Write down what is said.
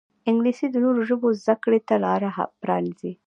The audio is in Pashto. انګلیسي د نورو ژبو زده کړې ته لاره پرانیزي